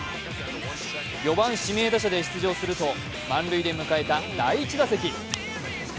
４番・指名打者で出場すると満塁で迎えた第１打席。